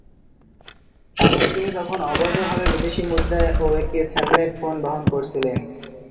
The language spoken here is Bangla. কারণ তিনি তখন অবৈধভাবে বিদেশি মুদ্রা ও একটি স্যাটেলাইট ফোন বহন করছিলেন।